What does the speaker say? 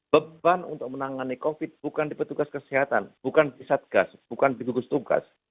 beban untuk menangani covid bukan di petugas kesehatan bukan di satgas bukan di tugas tugas